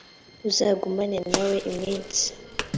uzagumane na we iminsi